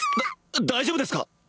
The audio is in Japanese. だ大丈夫ですか！？